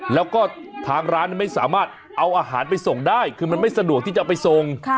แล้วก็ทางร้านไม่สามารถเอาอาหารไปส่งได้คือมันไม่สะดวกที่จะไปส่ง